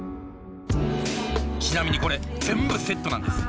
ちなみにこれ全部セットなんです。